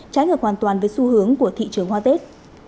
trái ngược hoàn toàn với xu hướng của thị trường hoa tết